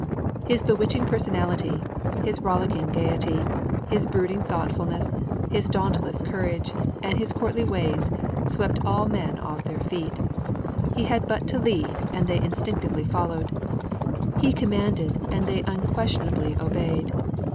His bewitching personality, his rollicking gaiety, his brooding thoughtfulness, his dauntless courage and his courtly ways swept all men off their feet; he had but to lead and they instinctively followed; he commanded and they unquestionably obeyed.